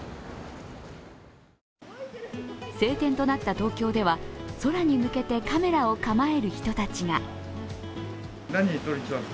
晴天となった東京では空に向けてカメラを構える人たちが。